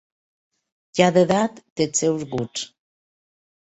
Cada edat té els seus gusts.